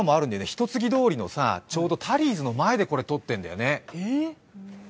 一ツ木通りのちょうどタリーズの前でこれ撮ってるんだよね。